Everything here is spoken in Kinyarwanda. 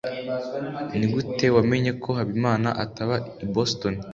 nigute wamenye ko habimana ataba i boston